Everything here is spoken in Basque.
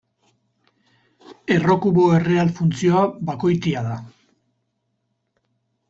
Erro kubo erreal funtzioa bakoitia da.